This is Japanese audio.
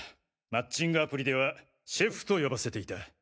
マッチングアプリではシェフと呼ばせていた。